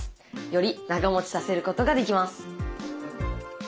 より長もちさせることができます。